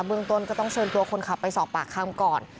เมืองต้นก็ต้องเชิญตัวคนขับไปสอบปากคำก่อน